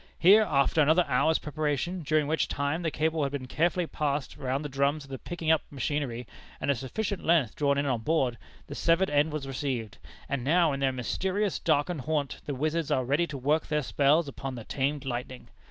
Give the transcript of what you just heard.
Here, after another hour's preparation, during which time the cable had been carefully passed round the drums of the picking up machinery, and a sufficient length drawn in on board, the severed end was received. And now, in their mysterious, darkened haunt, the wizards are ready to work their spells upon the tamed lightning.